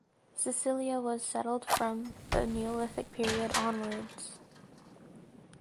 Cilicia was settled from the Neolithic period onwards.